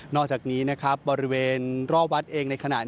อกจากนี้นะครับบริเวณรอบวัดเองในขณะ